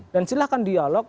dan silahkan dialog